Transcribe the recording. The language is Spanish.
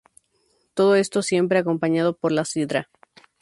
Todo esto siempre acompañado por la sidra.